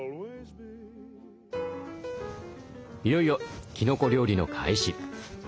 いよいよきのこ料理の開始。